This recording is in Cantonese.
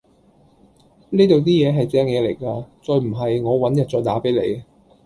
呢度啲嘢係正野嚟㗎，再唔係我搵日再打俾你